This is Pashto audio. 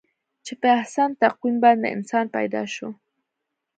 چې په احسن تقویم باندې انسان پیدا شو.